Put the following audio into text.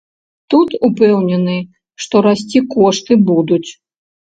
Тут упэўнены, што расці кошты будуць.